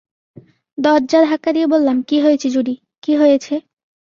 দরজা ধাক্কা দিয়ে বললাম, কী হয়েছে জুডি, কী হয়েছে?